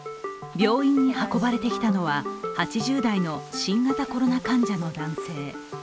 病院に運ばれてきたのは８０代の新型コロナ患者の男性。